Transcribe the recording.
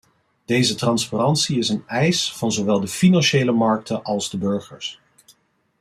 Deze transparantie is een eis van zowel de financiële markten als de burgers.